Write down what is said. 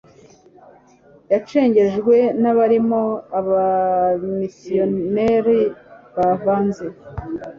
yacengejwe n'abarimo abamisiyoneri bavanze